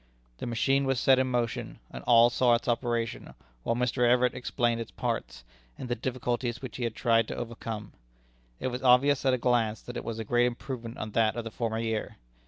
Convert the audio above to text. The machine was set in motion, and all saw its operation, while Mr. Everett explained its parts, and the difficulties which he had tried to overcome. It was obvious at a glance that it was a great improvement on that of the former year.